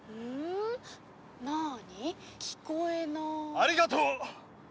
ありがとう！